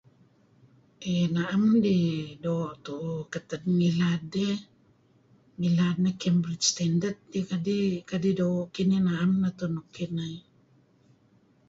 Eh na'em idih doo' tu'uh ketad ngilad dih. Ngilad neh Cambridge standard tidih kadi' doo'. Kinih neto' na'em nuk kineh.